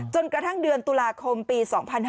จนกระทั่งเดือนตุลาคมปี๒๕๕๙